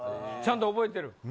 ちゃんと覚えてる？